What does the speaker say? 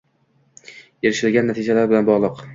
erishilgan natijalar bilan bog‘liq.